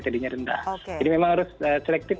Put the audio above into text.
tadinya rendah jadi memang harus selektif